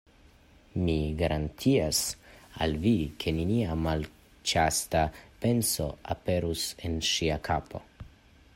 Mi garantias al vi, ke nenia malĉasta penso aperus en ŝia kapo...